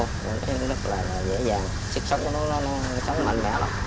cây này rất là dễ dàng sức sống nó sống mạnh